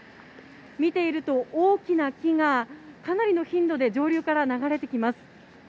見ていると、大きな木がかなりの頻度で上流から流れてきます。